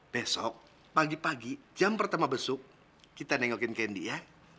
besok pagi pagi jam pertama besuk kita tengokin candy ya